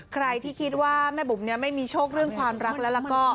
ใครที่คิดว่าแม่บุ๋มไม่มีโชคเรื่องความรักแล้วก็